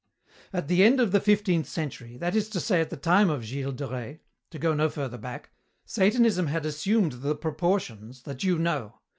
"At the end of the fifteenth century, that is to say at the time of Gilles de Rais to go no further back Satanism had assumed the proportions that you know.